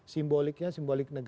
simboliknya simbolik negara